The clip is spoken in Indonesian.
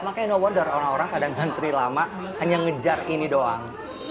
makanya no worther orang orang pada ngantri lama hanya ngejar ini doang